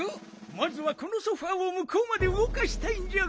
まずはこのソファーをむこうまでうごかしたいんじゃが。